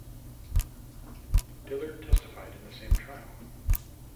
Dillard testified in the same trial.